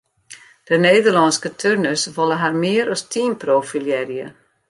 De Nederlânske turners wolle har mear as team profilearje.